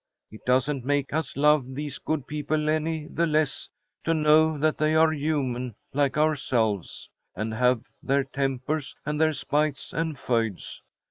It doesn't make us love these good people any the less to know that they are human like ourselves, and have their tempers and their spites and feuds.